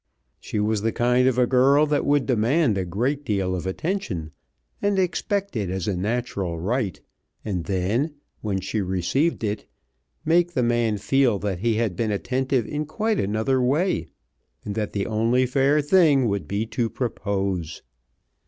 She was the kind of a girl that would demand a great deal of attention and expect it as a natural right, and then, when she received it, make the man feel that he had been attentive in quite another way, and that the only fair thing would be to propose.